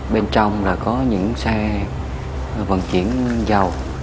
bên trong là có những xe vận chuyển dầu